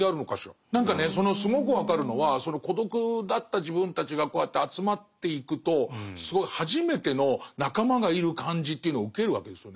何かねそのすごく分かるのはその孤独だった自分たちがこうやって集まっていくとすごい初めての仲間がいる感じというのを受けるわけですよね。